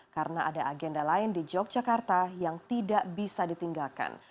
karena ada agenda lain di yogyakarta yang tidak bisa ditinggalkan